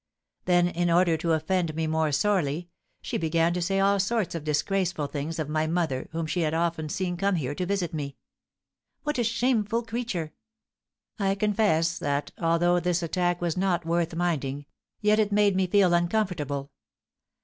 Then, in order to offend me more sorely, she began to say all sorts of disgraceful things of my mother, whom she had often seen come here to visit me." "What a shameful creature!" "I confess that, although this attack was not worth minding, yet it made me feel uncomfortable.